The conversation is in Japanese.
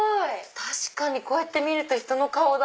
確かにこうやって見ると人の顔だ。